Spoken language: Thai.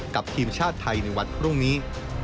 กับทีมชาติไทยในวันพรุ่งนี้